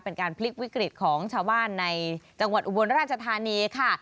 เป็นการพลิกวิกฤตของชาวบ้านในจังหวัดอุบลราชธานีค่ะ